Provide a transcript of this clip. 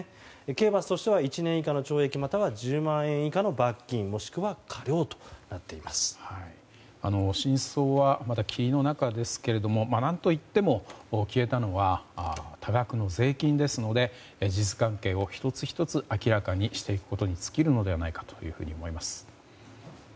刑罰としては、１年以下の懲役または１０万円以下の罰金真相は、まだ霧の中ですが何といっても消えたのは多額の税金ですので事実関係を１つ１つ明らかにしていくことにつきるのではないかと思います。